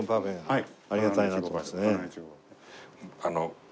はい。